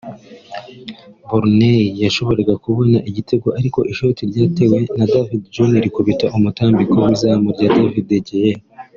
Burnley yashoboraga kubona igitego ariko ishoti ryatewe na David Jones rikubita umutambiko w’izamu rya David de Gea